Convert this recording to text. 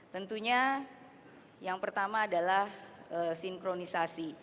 tentunya yang pertama adalah sinkronisasi